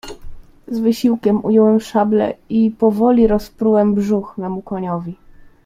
"Z wysiłkiem ująłem szablę i powoli rozprułem brzuch memu koniowi."